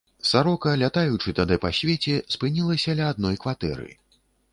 Сарока, лятаючы тады па свеце, спынілася ля адной кватэры.